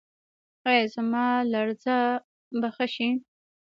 ایا زما لرزه به ښه شي؟